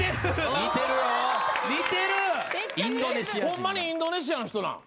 ホンマにインドネシアの人なん？